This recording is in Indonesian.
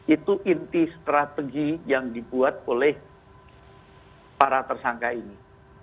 itu inti strategi yang dibuat oleh para tersangka ini